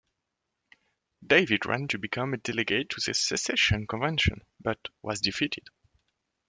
Davis ran to become a delegate to the Secession Convention but was defeated.